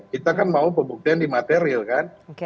kita kan mau pembuktian di material kan